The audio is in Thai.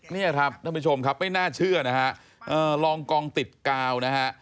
เนี่ยครับท่านผู้ชมครับไม่น่าเชื่อนะฮะรองกองติดกาวนะฮะ